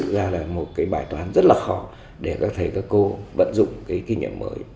đây là một bài toán rất khó để các thầy và các cô vẫn dùng kinh nghiệm mới